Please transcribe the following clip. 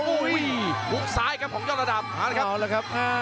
หุ้งซ้ายครับของยอดระดับ